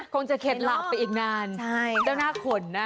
คงจะเข็ดหลาบไปอีกนานเจ้าหน้าขนนะ